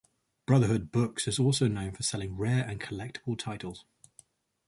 Brotherhood Books is also known for selling rare and collectible titles.